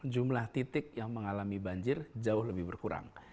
jumlah titik yang mengalami banjir jauh lebih berkurang